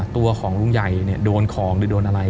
ตัวของลุงใหญ่โดนของหรือโดนอะไร